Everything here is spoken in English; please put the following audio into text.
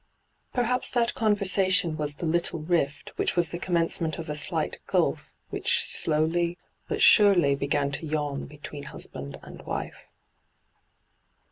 Perhaps that conversation was the 'little rift ' which was the commencement of a slight gulf which slowly but surely b^an to yawn between husband and wife.